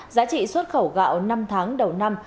giá trị xuất khẩu gạo năm tháng đầu năm